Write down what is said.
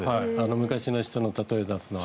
昔の人の例えを出すのは。